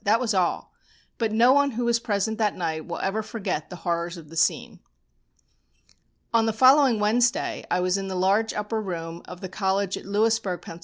That was all. But no one who was present that night will ever forget the horrors of the scene. On the following Wednesday I was in the large upper room of the college at Lewisburg, Pa.